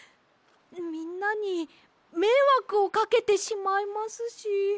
みんなにめいわくをかけてしまいますし。